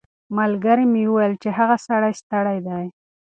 ملګري مې وویل چې هغه ډېر ستړی دی.